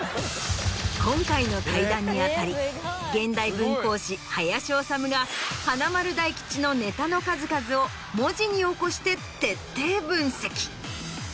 今回の対談に当たり現代文講師林修が華丸・大吉のネタの数々を文字に起こして徹底分析。